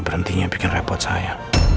dan dia bikin repot saya